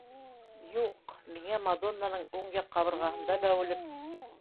Юҡ, миңә мадоннаның уң яҡ ҡабырғаһында бәүелеп